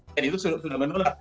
dan itu sudah menular